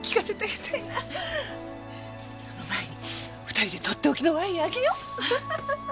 その前に２人でとっておきのワイン開けよう！